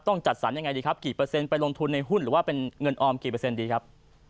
จัดสรรยังไงดีครับกี่เปอร์เซ็นไปลงทุนในหุ้นหรือว่าเป็นเงินออมกี่เปอร์เซ็นดีครับ